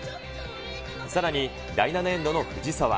さらに第７エンドの藤澤。